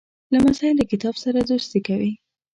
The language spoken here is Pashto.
لمسی له کتاب سره دوستي کوي.